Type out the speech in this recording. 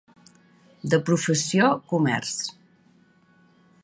De professió comerç.